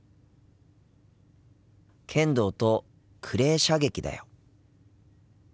剣道とクレー射撃だよ。